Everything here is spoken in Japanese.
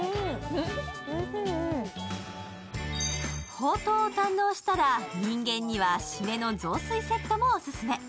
ほうとうを堪能したら人間には、締めの雑炊セットもオススメ。